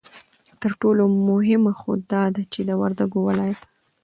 ترټولو مهمه خو دا ده چې د وردگ ولايت